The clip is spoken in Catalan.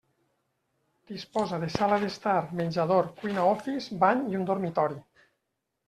Disposa de sala d'estar menjador, cuina office, bany i un dormitori.